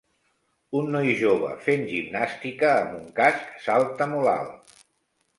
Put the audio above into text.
un noi jove fent gimnàstica amb un casc salta molt alt